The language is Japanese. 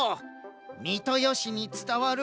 三豊市につたわる